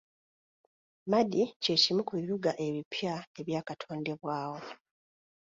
Madi kye kimu ku bibuga ebipya ebyakatondebwawo.